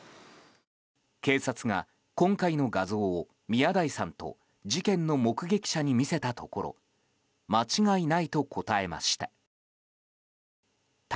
警察が今回の画像を宮台さんと事件の目撃者に見せたところ間違いないと答えました。